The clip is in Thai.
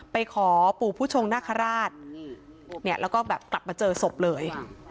ไปขอปู่ผู้ชงนาคาราชเนี่ยแล้วก็แบบกลับมาเจอศพเลย